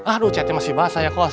aduh catnya masih basah ya